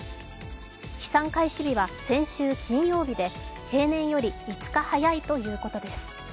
飛散開始日は先週金曜日で平年より５日早いということです。